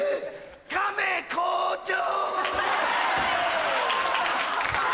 亀校長！